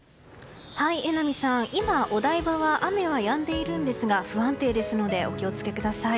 榎並さん、今お台場は雨はやんでいるんですが不安定ですのでお気を付けください。